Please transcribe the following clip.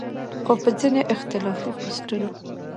خو پۀ ځينې اختلافي پوسټونو